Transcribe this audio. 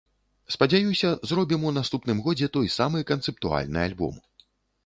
Спадзяюся, зробім у наступным годзе той самы канцэптуальны альбом.